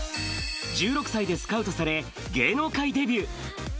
１６歳でスカウトされ、芸能界デビュー。